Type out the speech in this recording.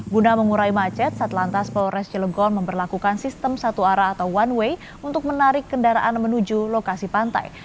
guna mengurai macet satlantas polres cilegon memperlakukan sistem satu arah atau one way untuk menarik kendaraan menuju lokasi pantai